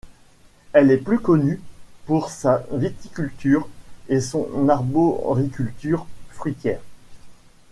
Elle est plus connue pour sa viticulture et son arboriculture fruitière.